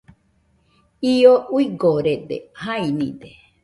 Io uigorede, jainide,